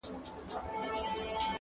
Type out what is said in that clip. دا عادت یې ټول حرم ته معما وه؛